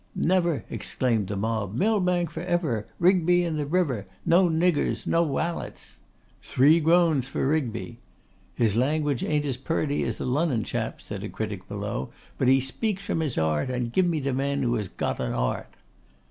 'Never!' exclaimed the mob. 'Millbank for ever! Rigby in the river! No niggers, no walets!' 'Three groans for Rigby.' 'His language ain't as purty as the Lunnun chap's,' said a critic below; 'but he speaks from his 'art: and give me the man who 'as got a 'art.